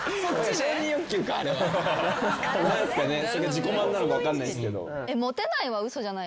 自己満なのか分かんないんすけど。